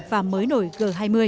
và mới nổi g hai mươi